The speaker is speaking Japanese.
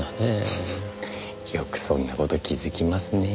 フフよくそんな事気づきますね。